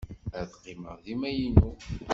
Ad teqqimeḍ dima inu.